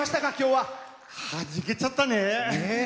はじけちゃったね。